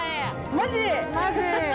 マジ！